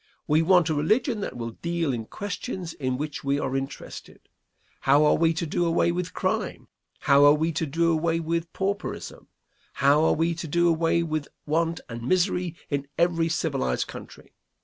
We want a religion that will deal in questions in which we are interested. How are we to do away with crime? How are we to do away with pauperism? How are we to do away with want and misery in every civilized country?